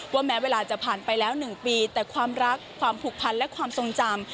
แม้เวลาจะผ่านไปแล้ว๑ปีแต่ความรักความผูกพันและความทรงจำ